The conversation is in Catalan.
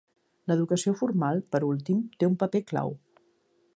L'educació formal, per últim, té un paper clau.